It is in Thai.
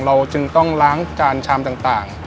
เราจึงต้องล้างจานชามต่าง